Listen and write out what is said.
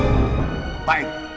nggak ada yang mau ngasih tau